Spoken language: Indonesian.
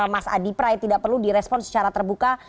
mas adi pray tidak perlu direspon secara terbuka